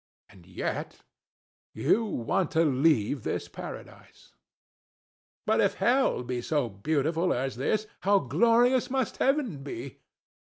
And yet you want to leave this paradise! ANA. But if Hell be so beautiful as this, how glorious must heaven be!